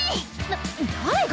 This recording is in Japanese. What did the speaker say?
なっ誰が！